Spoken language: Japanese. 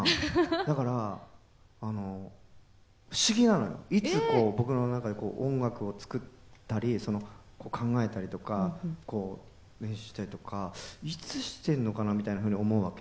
だからあの不思議なのよいつこう僕の中で音楽を作ったり考えたりとか練習したりとかいつしてるのかなみたいな風に思うわけ。